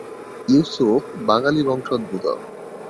ইউসুফ, বাঙ্গালী বংশোদ্ভূত।